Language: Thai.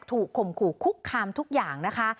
ข่มขู่คุกคามทุกอย่างนะคะ